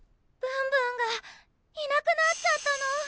ぶんぶんがいなくなっちゃったの。